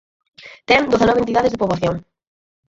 Ten dezanove entidades de poboación.